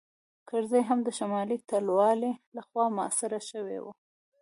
کرزی هم د شمالي ټلوالې لخوا محاصره شوی و